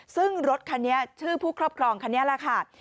ซึ่งรถคันนี้ชื่อผู้ครอบครองคันนี้แหละค่ะ